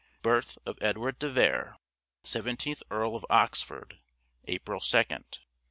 Birth of Edward de Vere, Seventeenth Earl of Oxford (April 2nd).